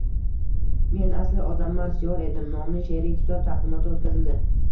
«Men asli odammas, yor edim» nomli she’riy kitob taqdimoti o‘tkazildi